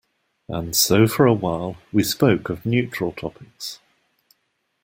And so for a while we spoke of neutral topics.